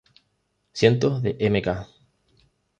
Cientos de Mk.